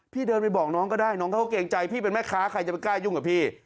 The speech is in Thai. เดินไปบอกน้องก็ได้น้องเขาก็เกรงใจพี่เป็นแม่ค้าใครจะไปกล้ายุ่งกับพี่